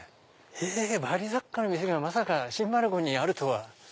へぇバリ雑貨の店がまさか新丸子にあるとは。